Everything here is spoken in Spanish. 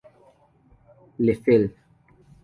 Le Fel